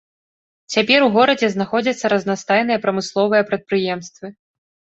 Цяпер у горадзе знаходзяцца разнастайныя прамысловыя прадпрыемствы.